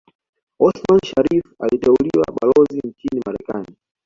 Othman Sharrif aliteuliwa Balozi nchini Marekani